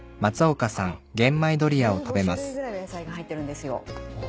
１５種類ぐらい野菜が入ってるんですよ。